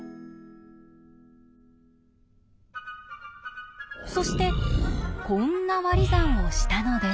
そしてこんな割り算をしたのです。